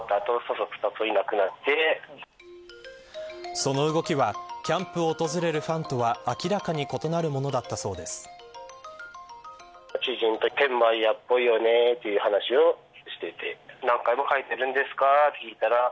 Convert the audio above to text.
その動きはキャンプを訪れるファンとは明らかに異なるものだったということです。